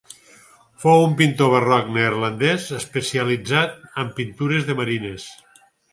Fou un pintor barroc neerlandès especialitzat en pintures de marines.